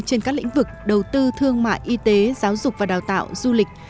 trên các lĩnh vực đầu tư thương mại y tế giáo dục và đào tạo du lịch